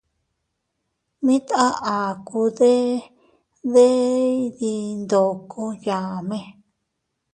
Mit a akuu de deʼe diin ndoko yaʼme.